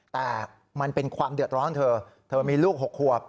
แต่มันเป็นความเดือดร้อนเธอเธอมีลูก๖ขวบ